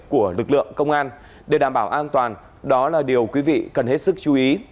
của lực lượng công an để đảm bảo an toàn đó là điều quý vị cần hết sức chú ý